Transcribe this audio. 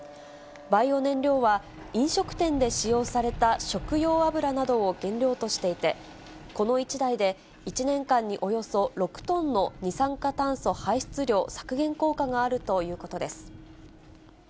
バイオ燃料は、飲食店で使用された食用油などを原料としていて、この１台で１年間におよそ６トンの二酸化炭素排出量削減効果があるということです。